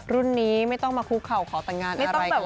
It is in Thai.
รุ่นนี้ไม่ต้องมาคุกเข่าขอตัญญาณอะไรกัน